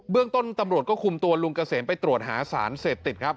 เรื่องต้นตำรวจก็คุมตัวลุงเกษมไปตรวจหาสารเสพติดครับ